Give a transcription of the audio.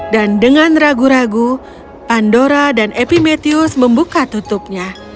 dan dengan ragu ragu pandora dan epimetheus membuka tutupnya